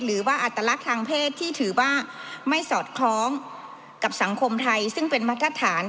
อัตลักษณ์ทางเพศที่ถือว่าไม่สอดคล้องกับสังคมไทยซึ่งเป็นมาตรฐาน